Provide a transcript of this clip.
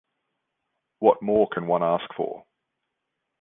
What more can one ask for.